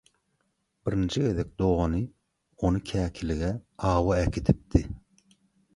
Birinji gezek dogany ony käkilige, awa äkidipdi.